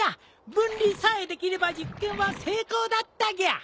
分離さえできれば実験は成功だったぎゃ。